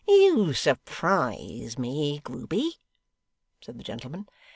'You surprise me, Grueby,' said the gentleman.